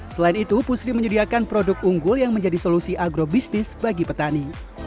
selain itu pusri menyediakan produk unggul yang menjadi solusi agrobisnis bagi petani